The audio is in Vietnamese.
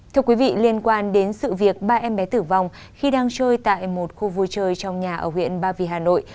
thưa quý vị liên quan đến sự việc ba em bé tử vong khi đang trôi tại một khu vui chơi trong nhà ở huyện ba vì hà nội